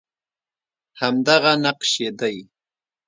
همدغه نقش یې دی